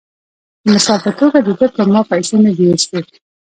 د مثال پۀ توګه د دۀ پۀ ما پېسې نۀ دي سود ،